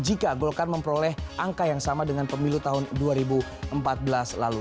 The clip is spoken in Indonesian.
jika golkar memperoleh angka yang sama dengan pemilu tahun dua ribu empat belas lalu